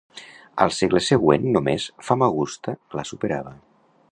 Al segle següent només Famagusta la superava.